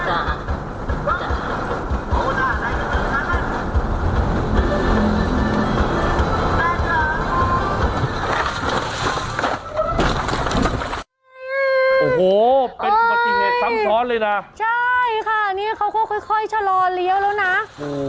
โอ้โหเป็นอุบัติเหตุซ้ำซ้อนเลยนะใช่ค่ะนี่เขาก็ค่อยค่อยชะลอเลี้ยวแล้วนะโอ้โห